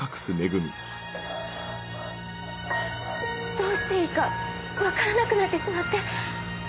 どうしていいかわからなくなってしまって。